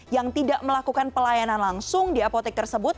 yang tidak melakukan pelayanan langsung di apotek tersebut